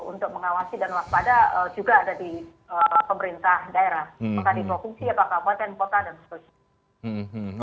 untuk mengawasi dan waspada juga ada di pemerintah daerah apakah di provinsi atau kabupaten kota dan sebagainya